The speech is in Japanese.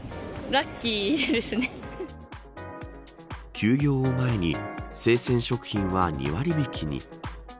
休業を前に生鮮食品は２割引に。